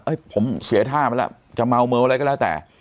ผมเสียท่าไปแล้วจะเมาอะไรก็แล้วแต่